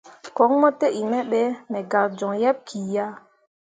Koŋ mo te in me be, me gak joŋ yeḅ ki ya.